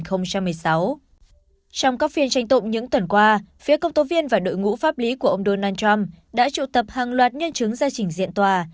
trong các phiên tranh tụng những tuần qua phía công tố viên và đội ngũ pháp lý của ông donald trump đã trụ tập hàng loạt nhân chứng gia trình diện tạo